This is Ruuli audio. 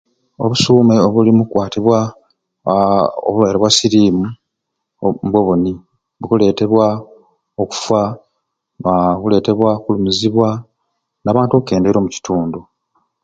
Obusuume obulimu omukukwatibwa aaa obulwaire bwa siriimu mbu nibwo buni; bukuleetebwa okufa aaa buleetebwa okulumizibwa n'abantu okukendeera omukitundu.